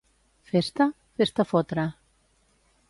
Festa?, fes-te fotre.